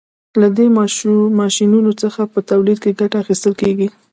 له دې ماشینونو څخه په تولید کې ګټه اخیستل کیږي.